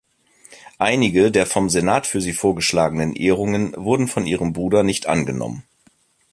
Einige der vom Senat für sie vorgeschlagenen Ehrungen wurden von ihrem Bruder nicht angenommen.